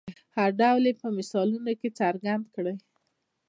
هر ډول یې په مثالونو کې څرګند کړئ.